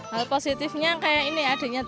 hal positifnya kayak ini adiknya tadi